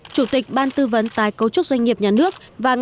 chủ tịch ban tư vấn tài cấu trúc doanh nghiệp nhà nước